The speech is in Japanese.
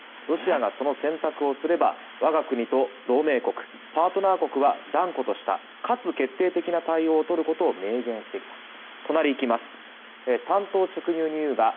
ロシアがその選択をすれば我が国と同盟国、パートナー国は断固とした、かつ決定的な対応をとることを明言してきた。